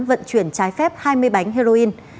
vận chuyển trái phép hai mươi bánh heroin